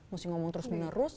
mesti ngomong terus menerus